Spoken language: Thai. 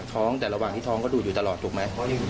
สองคนโดยด้วยนะคะ